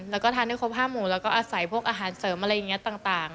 แล้วก็ทานได้ครบ๕หมูแล้วก็อาศัยพวกอาหารเสริมอะไรอย่างนี้ต่าง